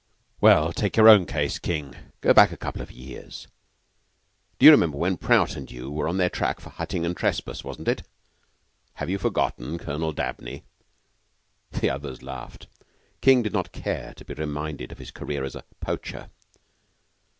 "Well, take your own case, King, and go back a couple of years. Do you remember when Prout and you were on their track for hutting and trespass, wasn't it? Have you forgotten Colonel Dabney?" The others laughed. King did not care to be reminded of his career as a poacher.